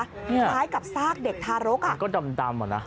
คล้ายกับซากเด็กทารกมันก็ดำเหรอนะ